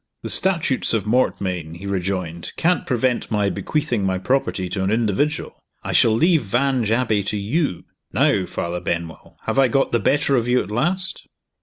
"The Statutes of Mortmain," he rejoined, "can't prevent my bequeathing my property to an individual. I shall leave Vange Abbey to You. Now, Father Benwell! have I got the better of you at last?"